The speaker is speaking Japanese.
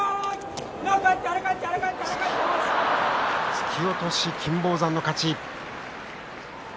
突き落とし金峰山の勝ち。